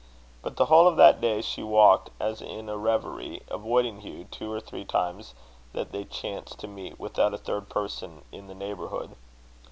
But the whole of that day she walked as in a reverie, avoiding Hugh two or three times that they chanced to meet without a third person in the neighbourhood.